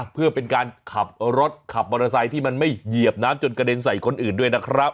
เพื่อเป็นการขับรถขับมอเตอร์ไซค์ที่มันไม่เหยียบน้ำจนกระเด็นใส่คนอื่นด้วยนะครับ